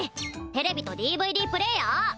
テレビとＤＶＤプレーヤー！